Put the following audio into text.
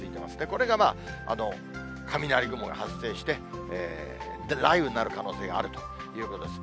これがまあ、雷雲が発生して、雷雨になる可能性があるということです。